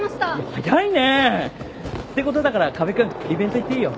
早いね！ってことだから河辺君イベント行っていいよ。